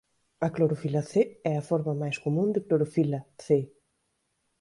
A clorofila c é a forma máis común de clorofila "c".